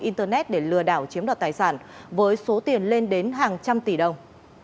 internet để lừa đảo chiếm đoạt tài sản với số tiền lên đến hàng trăm tỷ đồng